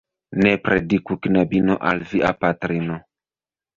Ne prediku knabino al via patrino.